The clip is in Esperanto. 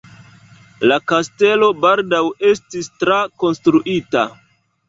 La kastelo baldaŭ estis trakonstruita.